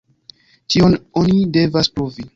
Tion oni devas pruvi.